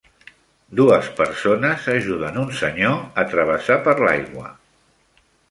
Dues persones ajuden un senyor a travessar per l'aigua.